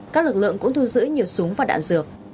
các lực lượng cũng thu giữ nhiều súng và đạn dược